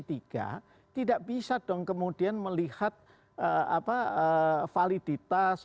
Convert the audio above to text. tidak bisa dong kemudian melihat validitas